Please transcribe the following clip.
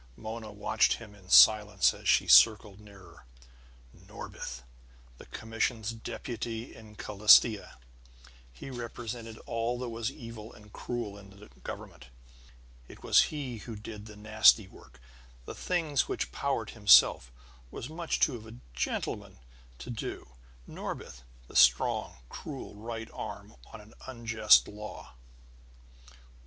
Mona watched him in silence as she circled nearer. Norbith! The commission's deputy in Calastia; he represented all that was evil and cruel in the government. It was he who did the nasty work, the things which Powart himself was too much of a gentleman to do. Norbith the strong, cruel right arm on an unjust law!